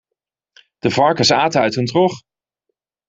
De varkens aten uit een trog.